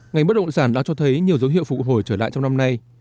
ngành bất động sản đã cho thấy nhiều dấu hiệu phục hồi trở lại trong năm nay